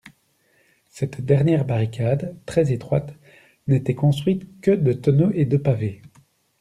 Cette dernière barricade, très étroite, n'était construite que de tonneaux et de pavés.